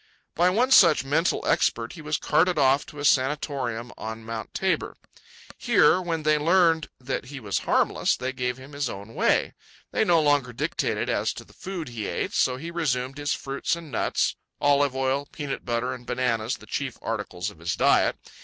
By one such mental expert he was carted off to a sanatorium on Mt. Tabor. Here, when they learned that he was harmless, they gave him his own way. They no longer dictated as to the food he ate, so he resumed his fruits and nuts—olive oil, peanut butter, and bananas the chief articles of his diet.